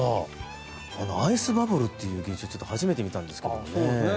アイスバブルという現象初めて見たんですけどね。